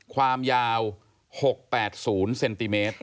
ความยาว๖๘๐เซนติเมตร